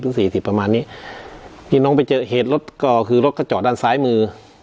สี่สิบประมาณนี้พี่น้องไปเจอเหตุรถก็คือรถก็จอดด้านซ้ายมือ